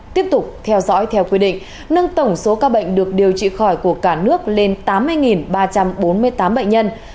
tiếp tục theo dõi theo quy định nâng tổng số ca bệnh được điều trị khỏi của cả nước lên tám mươi ba trăm bốn mươi tám bệnh nhân